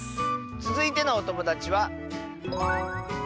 つづいてのおともだちは。